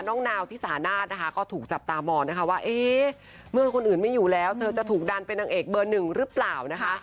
นาวที่สานาศนะคะก็ถูกจับตามองนะคะว่าเอ๊ะเมื่อคนอื่นไม่อยู่แล้วเธอจะถูกดันเป็นนางเอกเบอร์หนึ่งหรือเปล่านะคะ